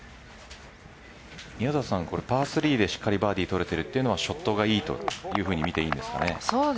パー３でしっかりバーディー取れてるのはショットがいいというふうに見ていいんですかね？